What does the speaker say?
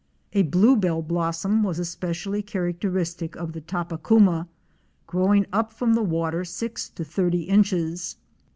A blue bell blossom was especially characteristic of the Tapakuma, growing up from the water six to thirty inches.